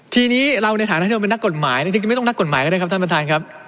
ทีนี้เราในฐานะที่เราเป็นนักกฎหมายจริงไม่ต้องนักกฎหมายก็ได้ครับท่านประธานครับ